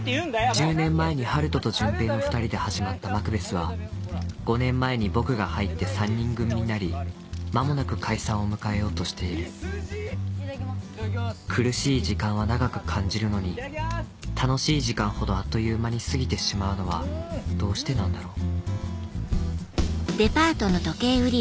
１０年前に春斗と潤平の２人で始まったマクベスは５年前に僕が入って３人組になり間もなく解散を迎えようとしている苦しい時間は長く感じるのに楽しい時間ほどあっという間に過ぎてしまうのはどうしてなんだろう